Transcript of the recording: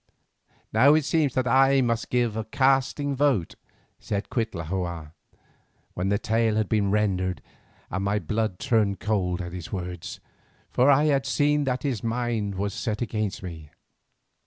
"Now it seems that I must give a casting vote," said Cuitlahua when the tale had been rendered, and my blood turned cold at his words, for I had seen that his mind was set against me.